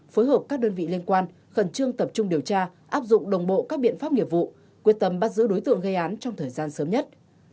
phối hợp các đơn vị liên quan khẩn trương tập trung điều tra áp dụng đồng bộ các biện pháp nghiệp vụ quyết tâm bắt giữ đối tượng gây án trong thời gian sớm nhất